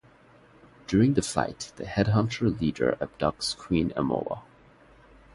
During the fight, the headhunter leader abducts Queen Amoa.